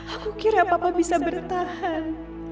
aku kira papa bisa bertahan